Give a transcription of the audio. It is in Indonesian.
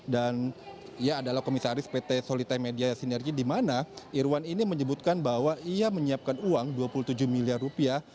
dan ia adalah komisaris pt solitai media sinergi dimana irwan ini menyebutkan bahwa ia menyiapkan uang dua puluh tujuh miliar rupiah